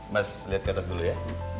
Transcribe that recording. mas lihat ke atas dulu ya